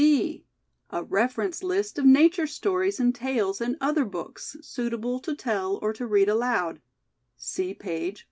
(b) A Reference List of nature stories and tales in other books, suitable to tell or to read aloud — see page 454.